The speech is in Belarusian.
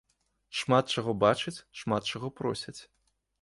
Шмат чаго бачаць, шмат чаго просяць.